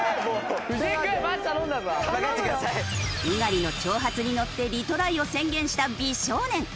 猪狩の挑発にのってリトライを宣言した美少年。